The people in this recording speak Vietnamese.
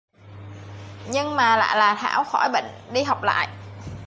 Nhưng mà lạ là thảo khỏi bệnh đi học lại